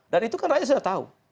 dan itu kan rakyat sudah tahu